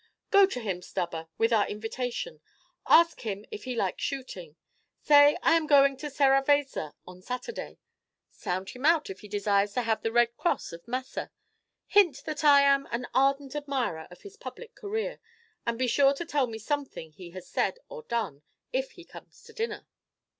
"Go to him, Stubber, with our invitation. Ask him if he likes shooting. Say I am going to Serravezza on Saturday; sound him if he desires to have the Red Cross of Massa; hint that I am an ardent admirer of his public career; and be sure to tell me something he has said or done, if he come to dinner."